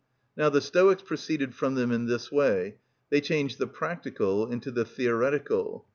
Now the Stoics proceeded from them in this way—they changed the practical into the theoretical.